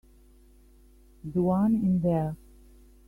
The one in there.